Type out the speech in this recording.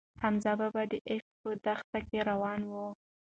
حمزه بابا د عشق په دښته کې روان و.